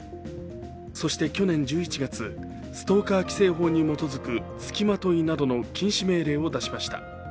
そして去年１１月、ストーカー規制法に基づくつきまといなどの禁止命令を出しました。